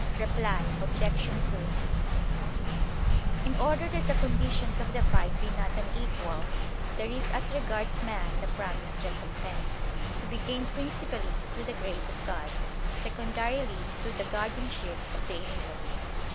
Reply Obj. 2: In order that the conditions of the fight be not unequal, there is as regards man the promised recompense, to be gained principally through the grace of God, secondarily through the guardianship of the angels.